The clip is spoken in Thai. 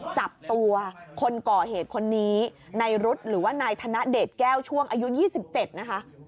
จับตัวคนก่อเหตุคนนี้ในรุ๊ดหรือว่านายธนเดชแก้วช่วงอายุ๒๗นะคะ